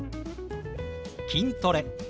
「筋トレ」。